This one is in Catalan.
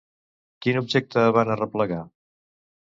Quin objecte van arreplegar?